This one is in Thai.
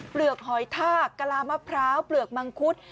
เปลือกหอยทากกะลามะพร้าวเปลือกมังคุด